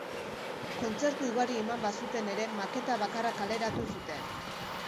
Kontzertu ugari eman bazuten ere maketa bakarra kaleratu zuten.